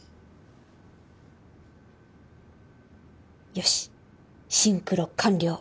よしシンクロ完了！